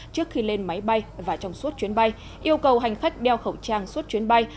trước khi lên máy bay và trong suốt chuyến bay yêu cầu hành khách đeo khẩu trang suốt chuyến bay